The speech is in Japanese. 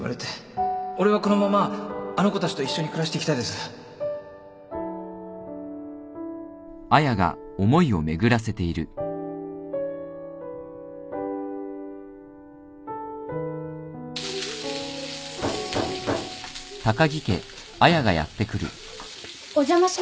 俺はこのままあの子たちと一緒に暮らしていきたいです・あっお邪魔します。